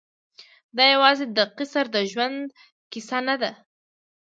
دا یوازې د قیصر د ژوندلیک کیسه نه ده.